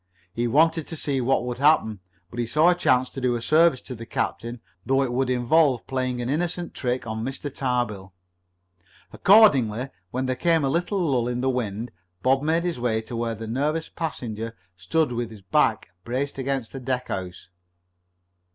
He wanted to see what would happen. But he saw a chance to do a service to the captain, though it would involve playing an innocent trick on Mr. Tarbill. Accordingly, when there came a little lull in the wind, Bob made his way to where the nervous passenger stood with his back braced against a deckhouse.